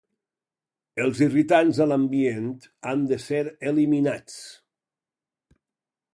Els irritants a l'ambient han de ser eliminats.